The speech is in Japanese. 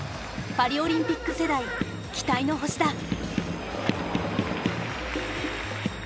パリオリンピック世代期待の星だ。